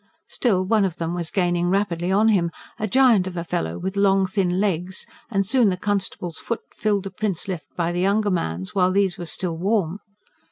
Still, one of them was gaining rapidly on him, a giant of a fellow with long thin legs; and soon the constable's foot filled the prints left by the young man's, while these were still warm.